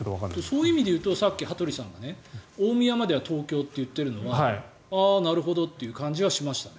そういう意味ではさっき羽鳥さんが言った大宮までは東京って言っているのはなるほどっていう感じはしましたね。